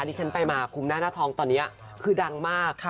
ที่ฉันไปมาคุมหน้าหน้าท้องตอนนี้คือดังมาก